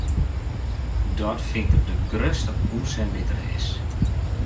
Dat fynt er de grutste ûnsin dy't der is.